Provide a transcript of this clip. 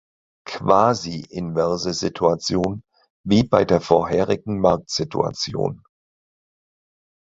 Quasi inverse Situation wie bei der vorherigen Marktsituation.